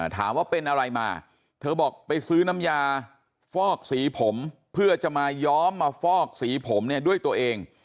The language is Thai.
ถามว่าเป็นอะไรมาเธอบอกไปซื้อน้ำยาฟอกสีผมเพื่อจะมาย้อมมาฟอกสีผมเนี่ยด้วยตัวเอง